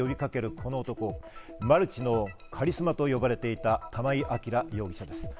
この男、マルチのカリスマと呼ばれていた玉井暁容疑者です。